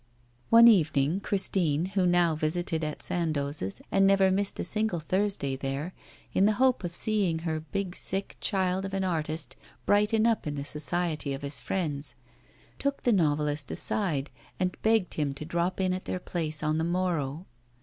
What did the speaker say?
One evening, Christine, who now visited at Sandoz's and never missed a single Thursday there, in the hope of seeing her big sick child of an artist brighten up in the society of his friends, took the novelist aside and begged him to drop in at their place on the morrow.